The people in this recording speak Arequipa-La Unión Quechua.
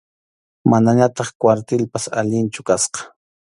Manañataq kwartilpas alinchu kasqa.